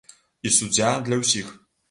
І суддзя для ўсіх.